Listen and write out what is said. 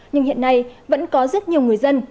nhưng hiện nay vẫn có rất nhiều người dân